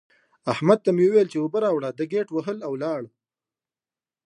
احمد ته مې وويل چې اوبه راوړه؛ ده ګيت وهل او ولاړ.